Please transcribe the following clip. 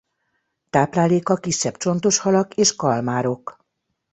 Tápláléka kisebb csontos halak és kalmárok.